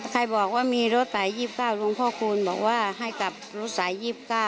ใครบอกว่ามีรถสาย๒๙หลวงพ่อคูณบอกว่าให้กลับรถสาย๒๙